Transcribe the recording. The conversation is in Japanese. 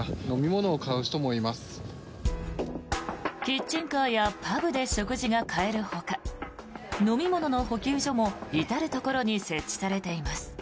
キッチンカーやパブで食事が買えるほか飲み物の補給所も至るところに設置されています。